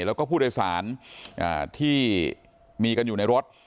แล้วก็ผู้โดยสารที่มีกันอยู่ในรถ